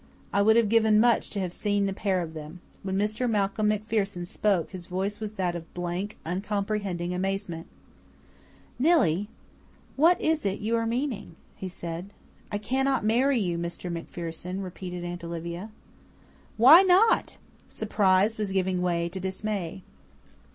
I would have given much to have seen the pair of them. When Mr. Malcolm MacPherson spoke his voice was that of blank, uncomprehending amazement. "Nillie, what is it you are meaning?" he said. "I cannot marry you, Mr. MacPherson," repeated Aunt Olivia. "Why not?" Surprise was giving way to dismay.